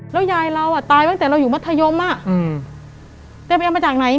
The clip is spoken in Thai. แล้วยายเราอ่ะตายตั้งแต่เราอยู่มัธยมแกไปเอามาจากไหน